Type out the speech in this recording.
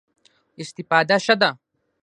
استفاده ښه ده.